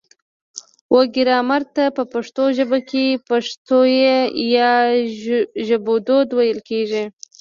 و ګرامر ته په پښتو ژبه کې پښويه يا ژبدود ويل کيږي